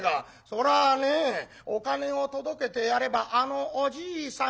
「そりゃあねえお金を届けてやればあのおじいさんは喜ぶよ。